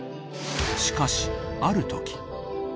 ［しかしあるとき］